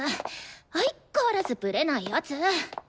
相っ変わらずブレない奴！